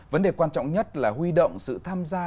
vấn đề quan trọng nhất là huy động sự tham gia